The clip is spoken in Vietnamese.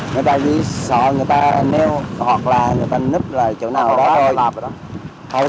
nói chung là sợ người ta nêu hoặc là người ta nấp lại chỗ nào đó thôi